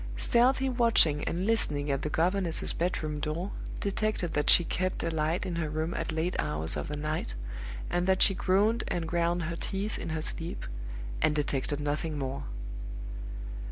Stealthy watching and listening at the governess's bedroom door detected that she kept a light in her room at late hours of the night, and that she groaned and ground her teeth in her sleep and detected nothing more.